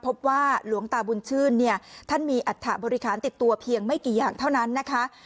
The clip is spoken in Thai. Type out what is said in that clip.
พบว่าหลวงตาบุญชื่นเนี่ยท่านมีอัฐบริหารติดตัวเพียงไม่กี่อย่างเท่านั้นนะคะ